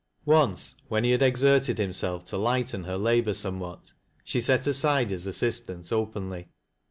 OLce, whet lie had exerted himself to lighten her lahor sc mewhat, sht .tet 3,side his assistance openly.